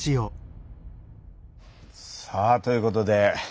さあということで。